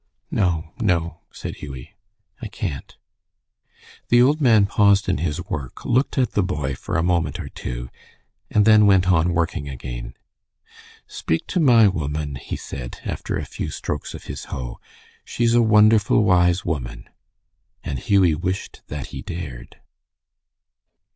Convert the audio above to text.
"No, no," said Hughie, "I can't." The old man paused in his work, looked at the boy for a moment or two, and then went on working again. "Speak to my woman," he said, after a few strokes of his hoe. "She's a wonderful wise woman." And Hughie wished that he dared.